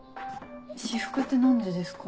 私服って何でですか？